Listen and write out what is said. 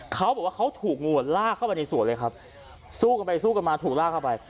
เขาบอกว่าเขาถูกงูลากเข้าไปในสวนเลยครับสู้กันไปสู้กันมาถูกลากเข้าไป